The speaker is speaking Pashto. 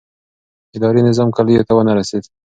اداري نظام کلیو ته ونه رسېد.